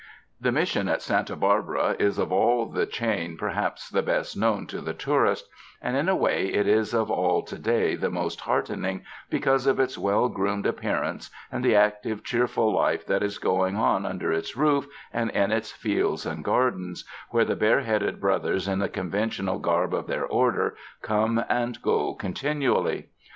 The Mission at Santa Barbara is, of all the chain, perhaps the best known to the tourist, and in a way it is of all to day the most heartening, because of its well groomed appearance and the active, cheerful life that is going on under its roof and in its fields and gardens, where the bareheaded brothers in the conventional garb of their order come and go con tinually.